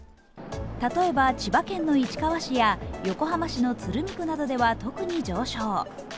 例えば、千葉県の市川市や横浜市の鶴見区などでは特に上昇。